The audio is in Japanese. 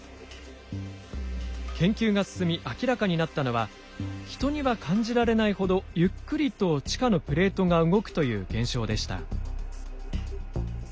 研究が進み明らかになったのは人には感じられないほどゆっくりと地下のプレートが動くという現象でした。